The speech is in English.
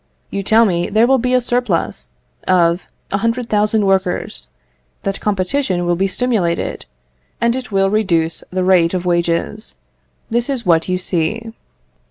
You tell me there will be a surplus of a hundred thousand workers, that competition will be stimulated, and it will reduce the rate of wages. This is what you see.